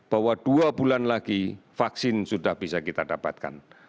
bahwa dua bulan lagi vaksin sudah bisa kita dapatkan